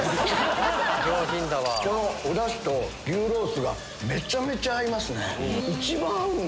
おダシと牛ロースがめちゃめちゃ合いますね。